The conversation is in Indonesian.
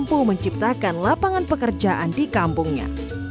mampu menciptakan lapangan pekerjaan di kampungnya